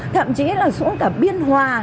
thậm chí là xuống cả biên hòa